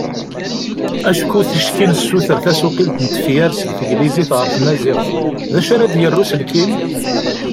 Acku ticki nessuter tasuqlit n tefyar seg teglizit ɣer tmaziɣt, d acu ara d-yerr uselkim?